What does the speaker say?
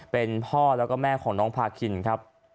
เป็นพ่อแล้วก็แม่ของน้องพาคินครับ